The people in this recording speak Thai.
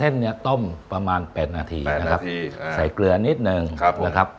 อเดนเต้เพราะดีนะครับ